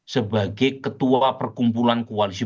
sebagai ketua perkumpulan koalisi